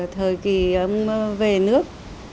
thời kỳ ông về nước